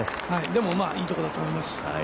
でも、いいところだと思います。